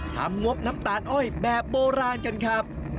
งบน้ำตาลอ้อยแบบโบราณกันครับ